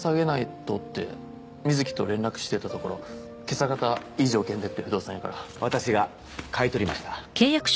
とって瑞貴と連絡してたところ今朝方いい条件でって不動産屋から私が買い取りましたえっ？